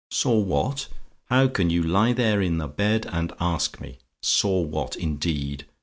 "SAW WHAT? "How can you lie there in the bed and ask me? Saw what, indeed!